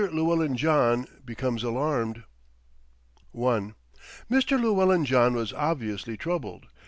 LLEWELLYN JOHN BECOMES ALARMED I Mr. Llewellyn John was obviously troubled.